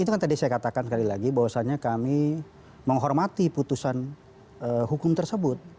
itu kan tadi saya katakan sekali lagi bahwasannya kami menghormati putusan hukum tersebut